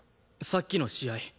さっきの試合